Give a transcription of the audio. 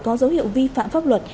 có dấu hiệu vi phạm pháp luật